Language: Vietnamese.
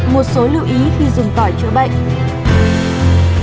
một số lưu ý khi dùng tỏi chữa bệnh